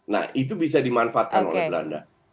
nah itu bisa dimanfaatkan oleh belanda